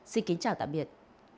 xin kính chào tạm biệt